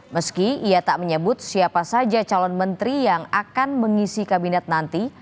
meski ia tak menyebut siapa saja calon menteri yang akan mengisi kabinet nanti